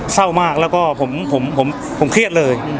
เศร้ามากแล้วก็ผมเครียดเลย